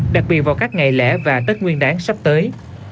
đặc biệt vào các ngày lễ và tết nguyên đáng sắp tới